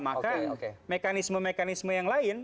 maka mekanisme mekanisme yang lain